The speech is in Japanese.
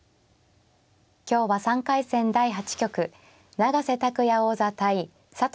今日は３回戦第８局永瀬拓矢王座対佐藤